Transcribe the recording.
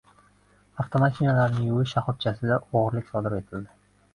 Avtomashinalarni yuvish shahobchasida o‘g‘irlik sodir etildi